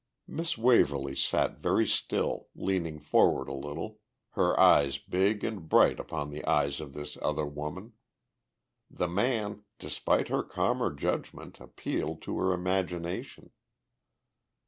Miss Waverly sat very still, leaning forward a little, her eyes big and bright upon the eyes of this other woman. The man, despite her calmer judgment, appealed to her imagination....